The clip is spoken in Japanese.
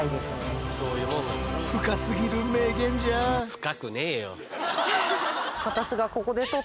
深くねえよ。